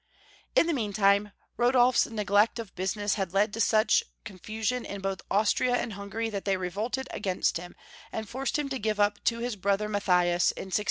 In the meantime Rodolf s neglect of business had led to such confusion in both Austria and Hungary that they revolted against him, and forced him to give them up to his brother Matthias in 1606.